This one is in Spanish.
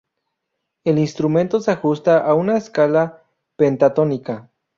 El instrumento se ajusta a una escala pentatónica.